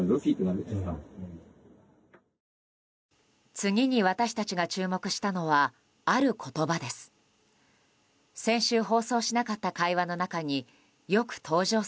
次に私たちが注目したのはある言葉です。